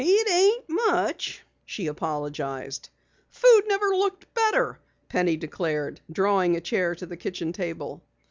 "It ain't much," she apologized. "Food never looked better," Penny declared, drawing a chair to the kitchen table.